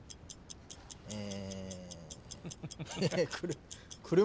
え。